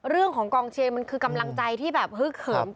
เรื่องของกองเชียร์มันคือกำลังใจที่แบบฮึกเขิม